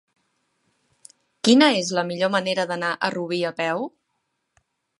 Quina és la millor manera d'anar a Rubí a peu?